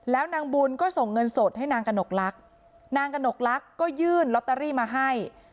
แล้วนางบุญก็ส่งเงินสดให้นางกระหนกลักษณ์นางกระหนกลักษณ์ก็ยื่นลอตเตอรี่มาให้